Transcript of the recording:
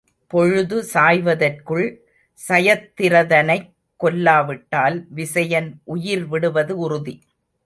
பொழுது சாய்வதற்குள் சயத்திரதனைக் கொல்லாவிட்டால் விசயன் உயிர் விடுவது உறுதி.